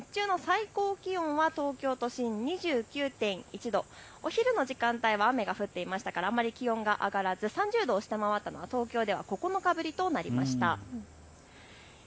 一方で日中の最高気温は東京都心２９．１度、お昼の時間帯は雨が降っていましたからあまり気温が上がらず３０度を下回ったのは東京では９日ぶりとなりました。